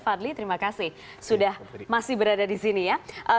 fadli terima kasih sudah masih berada di sini ya